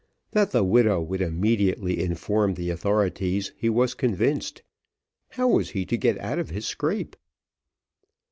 That the widow would immediately inform the authorities he was convinced. How was he to get out of his scrape?